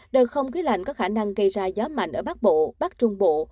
đợt không khí lạnh có khả năng gây ra gió mạnh ở bắc bộ bắc trung bộ